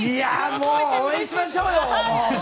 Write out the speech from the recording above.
もう応援しましょうよ！